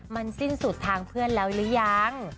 มันสิ้นสุดทางเพื่อนแล้วหรือยัง